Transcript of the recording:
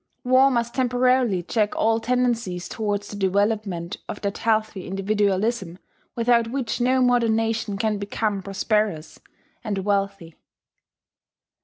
War must temporarily check all tendencies towards the development of that healthy individualism without which no modern nation can become prosperous and wealthy.